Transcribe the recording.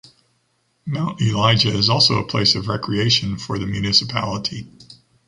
Mount Elijah is also a place of recreation for the municipality.